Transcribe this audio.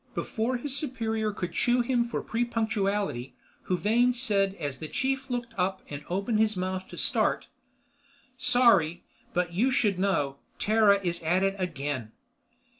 Before his superior could chew him for prepunctuality, Huvane said as the chief looked up and opened his mouth to start: "Sorry, but you should know. Terra is at it again."